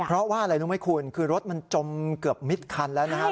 เพราะว่าอะไรรู้ไหมคุณคือรถมันจมเกือบมิดคันแล้วนะครับ